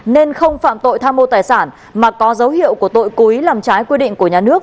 nên không phạm tội tha mô tài sản mà có dấu hiệu của tội cúi làm trái quy định của nhà nước